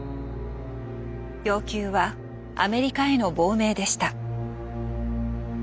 要求はアメリカへの亡命でした。